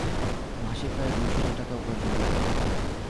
মাসে প্রায় দুই শত টাকা উপার্জন করিত।